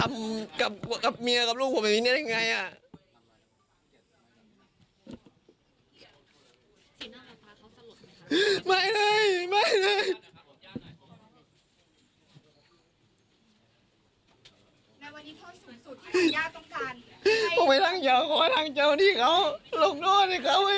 ไม่ได้ไม่ได้